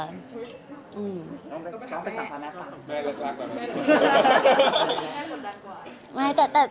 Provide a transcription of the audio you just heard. ต้องไปสั่งพรรณะค่ะ